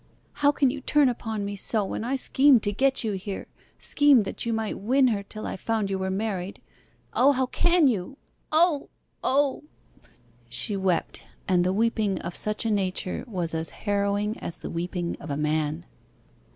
'How can you turn upon me so when I schemed to get you here schemed that you might win her till I found you were married. O, how can you! O!... O!' She wept; and the weeping of such a nature was as harrowing as the weeping of a man.